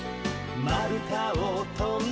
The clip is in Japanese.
「まるたをとんで」